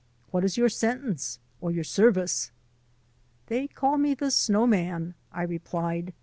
What is your sentence or your service ?" "They call me the Snow Man," I replied.